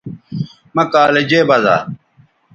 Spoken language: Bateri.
مہ کالجے بزا